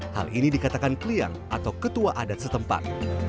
hal ini dikatakan kliang atau ketua adat setempat